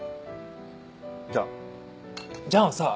じゃあじゃあさ